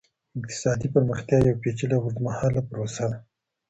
اقتصادي پرمختيا يوه پېچلې او اوږدمهاله پروسه ده.